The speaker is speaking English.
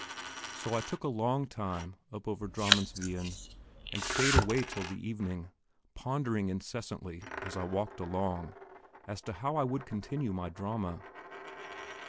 So I took a long time up over Drammensveien, and stayed away till the evening, pondering incessantly, as I walked along, as to how I would continue my drama.